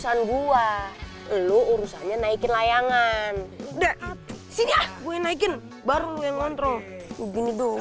san gua lu urusannya naikin layangan udah sini ah gue naikin baru yang ngontrol begini doang